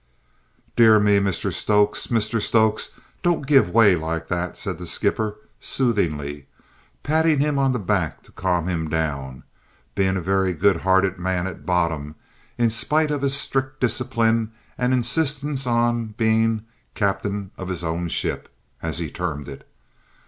"Dear me, Mr Stokes; Mr Stokes, don't give way like that," said the skipper soothingly, patting him on the back to calm him down, being a very good hearted man at bottom, in spite of his strict discipline and insistence on being "captain of his own ship," as he termed it.